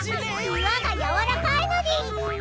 岩がやわらかいのでぃす！